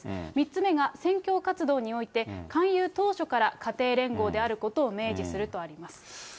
３つ目が、宣教活動において、勧誘当初から家庭連合であることを明示するとあります。